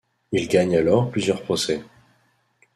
Il gagne alors plusieurs procès.